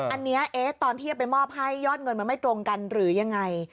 อันนี้ตอนที่เอาไปมอบให้ยอดเงินมันไม่ตรงกันหรือยังไง